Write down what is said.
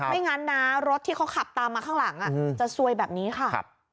ไม่งั้นนะรถที่เขาขับตามมาข้างหลังจะซวยแบบนี้ค่ะ